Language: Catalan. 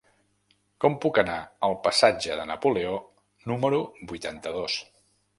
Com puc anar al passatge de Napoleó número vuitanta-dos?